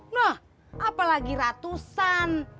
nah apalagi ratusan